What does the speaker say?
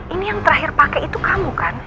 ini yang terakhir pakai itu kamu kan